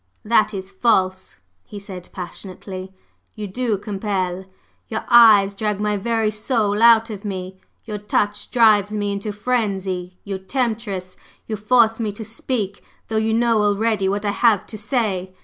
"That is false!" he said passionately. "You do compel! Your eyes drag my very soul out of me your touch drives me into frenzy! You temptress! You force me to speak, though you know already what I have to say!